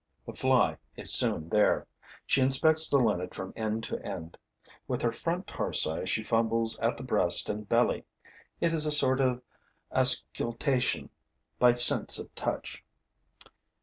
The fly is soon there. She inspects the linnet from end to end; with her front tarsi she fumbles at the breast and belly. It is a sort of auscultation by sense of touch.